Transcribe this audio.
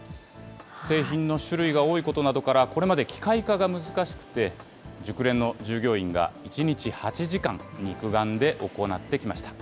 製品の種類が多いことなどから、これまで機械化が難しくて、熟練の従業員が１日８時間、肉眼で行ってきました。